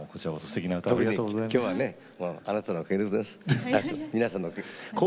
特に、今日はねあなたのおかげでございます。